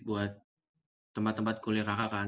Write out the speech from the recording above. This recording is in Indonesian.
buat tempat tempat kuliah kakak kan